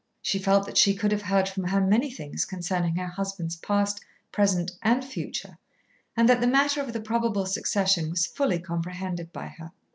She felt that she could have heard from her many things concerning her husband's past, present, and future, and that the matter of the probable succession was fully comprehended by her.